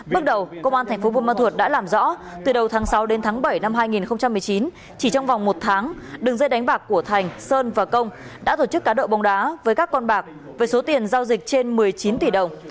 bước đầu công an thành phố buôn ma thuột đã làm rõ từ đầu tháng sáu đến tháng bảy năm hai nghìn một mươi chín chỉ trong vòng một tháng đường dây đánh bạc của thành sơn và công đã tổ chức cá độ bóng đá với các con bạc với số tiền giao dịch trên một mươi chín tỷ đồng